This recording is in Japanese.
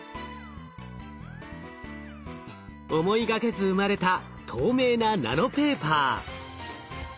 思いがけず生まれた透明なナノペーパー。